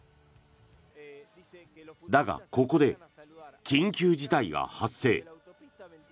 だが、ここで緊急事態が発生。